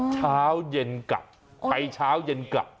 เช้าเย็นกลับไปเช้าเย็นกลับ